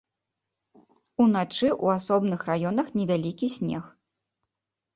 Уначы ў асобных раёнах невялікі снег.